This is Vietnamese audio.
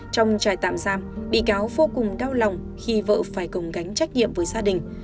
trong trại tạm giam bị cáo vô cùng đau lòng khi vợ phải cùng gánh trách nhiệm với gia đình